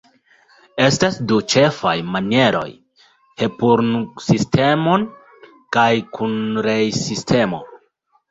Estas du ĉefaj manieroj: Hepurn-sistemo kaj Kunrei-sistemo.